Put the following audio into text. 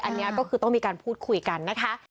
อันนี้ก็คือต้องมีการพูดคุยกันนะคะ